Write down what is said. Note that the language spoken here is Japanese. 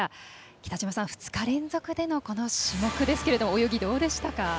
北島さん、２日連続でのこの種目ですけれども泳ぎ、どうでしたか？